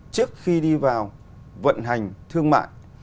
trước khi đi vào vận hành thương mại